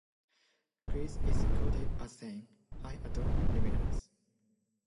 Cleese is quoted as saying, I adore lemurs.